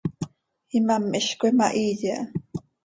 Imám hizcoi ma hiiye ha.